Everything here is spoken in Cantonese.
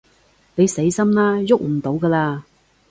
你死心啦，逳唔到㗎喇